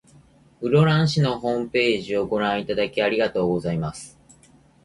室蘭市のホームページをご覧いただき、ありがとうございます。